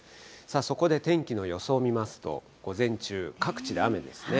そこで天気の予想を見ますと、午前中、各地で雨ですね。